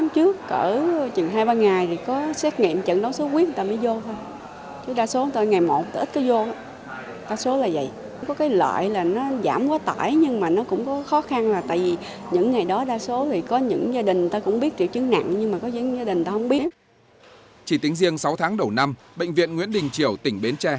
chỉ tính riêng sáu tháng đầu năm bệnh viện nguyễn đình triều tỉnh bến tre